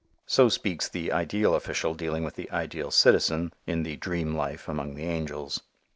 So speaks the ideal official dealing with the ideal citizen in the dream life among the angels.